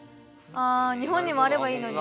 あ日本にもあればいいのに。